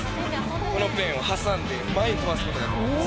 このペンを挟んで前に飛ばすことができます。